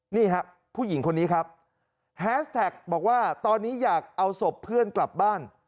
นี่ครับผู้หญิงคนนี้ครับแฮสแท็กบอกว่าตอนนี้อยากเอาศพเพื่อนกลับบ้าน